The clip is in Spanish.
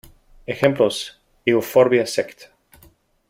Ejemplos: "Euphorbia" sect.